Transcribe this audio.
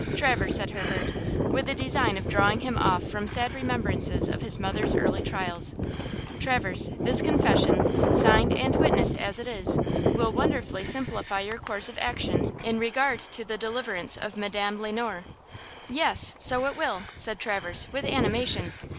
"Traverse," said Herbert, with the design of drawing him off from sad remembrances of his mother's early trials. "Traverse, this confession, signed and witnessed as it is, will wonderfully simplify your course of action in regard to the deliverance of Madame Le Noir." "Yes; so it will," said Traverse, with animation.